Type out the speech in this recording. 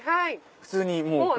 普通にこう？